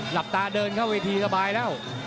หลับตาเดินเข้าเวทีสบายแล้ว